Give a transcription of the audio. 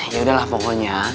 yaudah lah pokoknya